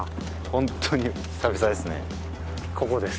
ホントに久々ですね。